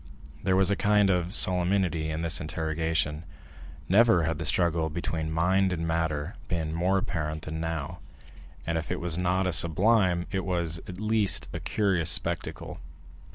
There was a kind of solemnity in this interrogation. Never had the struggle between mind and matter been more apparent than now, and if it was not a sublime, it was, at least, a curious spectacle.